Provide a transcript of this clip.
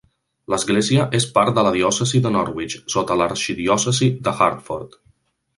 L'Església és part de la diòcesi de Norwich, sota l'arxidiòcesi d'Hartford.